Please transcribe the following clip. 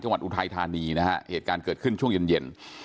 อุทัยธานีนะฮะเหตุการณ์เกิดขึ้นช่วงเย็นเย็น